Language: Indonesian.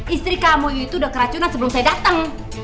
istri kamu itu udah keracunan sebelum saya datang